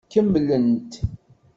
Kemmlent.